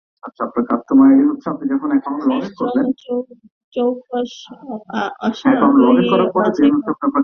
বিশজন চৌকস অশ্বারোহী বাছাই কর।